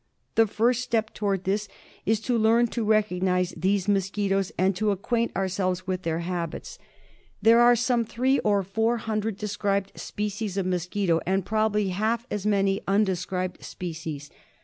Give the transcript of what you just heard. The first step towards this is to learn to recognise these mosquitoes and to acquaint ourselves with their habits. There are some three or four hundred described species of mosquito, and probably half as many unde scribed species.